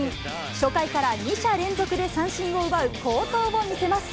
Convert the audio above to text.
初回から２者連続で三振を奪う好投を見せます。